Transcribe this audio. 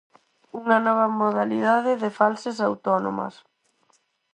Unha nova modalidade de falsas autónomas.